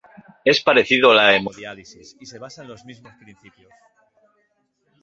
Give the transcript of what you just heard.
Es parecido a la hemodiálisis y se basa en los mismos principios.